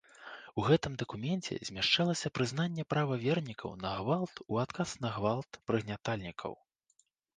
У гэтым дакуменце змяшчалася прызнанне права вернікаў на гвалт у адказ на гвалт прыгнятальнікаў.